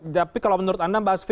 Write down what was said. tapi kalau menurut anda mbak aspi